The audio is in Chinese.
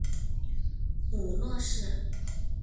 母骆氏。